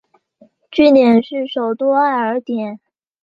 据点是首都艾尔甸。